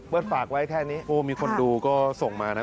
ฝากไว้แค่นี้โอ้มีคนดูก็ส่งมานะ